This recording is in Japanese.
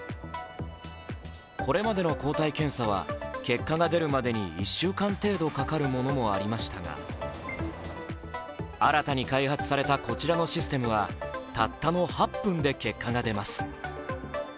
これまでの抗体検査は結果が出るまでに１週間程度かかるものもありましたが新たに開発されたこちらのシステムはたったの８分で結果が出ます。